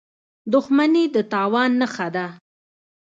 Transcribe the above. • دښمني د تاوان نښه ده.